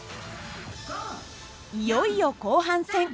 いよいよ後半戦。